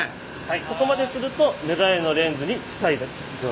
ここまでするとメガネのレンズに近い状態。